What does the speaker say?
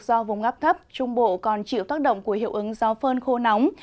do vùng áp thấp trung bộ còn chịu tác động của hiệu ứng gió phơn khô nóng